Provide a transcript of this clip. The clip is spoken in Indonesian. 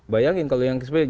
bayangin kalau yang sebelumnya